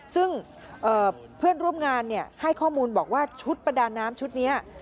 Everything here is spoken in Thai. ซึ่งเพื่อนร่วมงานให้ข้อมูลบอกว่าชุดประดาน้ำชุดนี้